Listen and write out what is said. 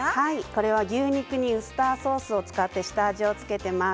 これは牛肉にウスターソースを使って下味を付けています。